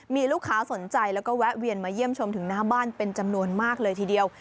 มีลูกค้าสนใจแล้วก็แวะเวียนมาเยี่ยมชมถึงหน้าบ้านเป็นจำนวนมากเลยทีเดียว